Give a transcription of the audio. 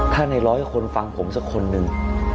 ถ้าในร้อยคนฟังผมสักคนหนึ่ง